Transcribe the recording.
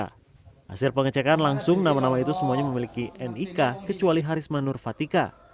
hasil pengecekan langsung nama nama itu semuanya memiliki nik kecuali harisma nurfatika